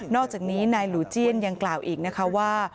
อกจากนี้นายหลูเจียนยังกล่าวอีกนะคะว่า